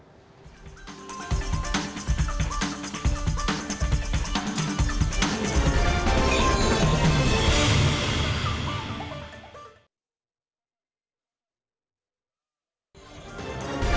kami segera kembali